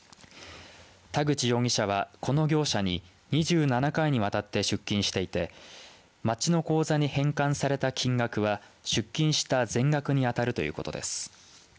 田口容疑者は、この業者に２７回にわたって出金していて町の口座に返還された金額は出金した全額にあたるということです。